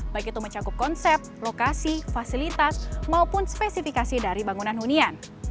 baik itu mencakup konsep lokasi fasilitas maupun spesifikasi dari bangunan hunian